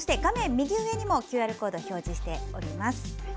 右上にもＱＲコードを表示しています。